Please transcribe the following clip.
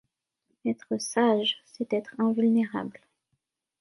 Être sage, c’est être invulnérable.